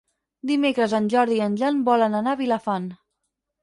Dimecres en Jordi i en Jan volen anar a Vilafant.